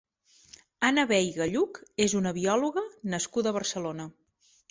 Anna Veiga Lluch és una biòloga nascuda a Barcelona.